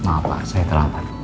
maaf pak saya terlambat